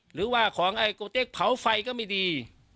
หรือว่าของไอโกเต็กเผาไฟก็ไม่ดี